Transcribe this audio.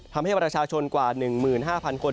ทำให้ประชาชนกว่า๑๕๐๐คน